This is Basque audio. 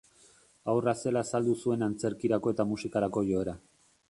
Haurra zela azaldu zuen antzerkirako eta musikarako joera.